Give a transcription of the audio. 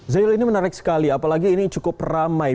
zahil ini menarik sekali apalagi ini cukup ramai